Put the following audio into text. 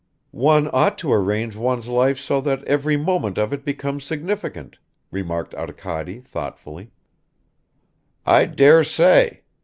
"One ought to arrange one's life so that every moment of it becomes significant," remarked Arkady thoughtfully. "I dare say.